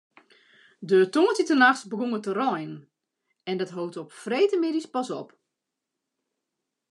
De tongersdeitenachts begûn it te reinen en dat hold op freedtemiddei pas op.